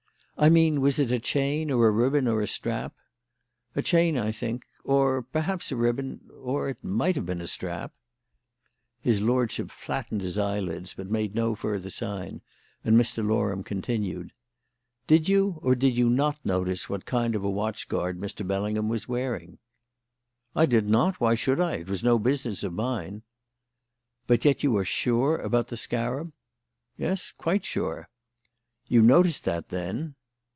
"I mean, was it a chain or a ribbon or a strap?" "A chain, I think or perhaps a ribbon or it might have been a strap." His lordship flattened his eyelids, but made no further sign, and Mr. Loram continued: "Did you or did you not notice what kind of watch guard Mr. Bellingham was wearing?" "I did not. Why should I? It was no business of mine." "But yet you are sure about the scarab?" "Yes, quite sure." "You noticed that, then?"